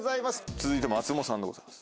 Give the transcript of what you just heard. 続いて松本さんでございます。